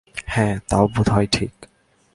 হ্যাঁ তাও বোধ হয় ঠিক।